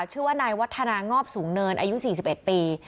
ชื่อว่านายวัฒนางอบสูงเนินอายุสี่สิบเอ็ดปี